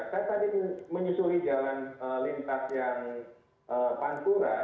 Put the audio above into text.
saya tadi menyusuri jalan lintas yang pantura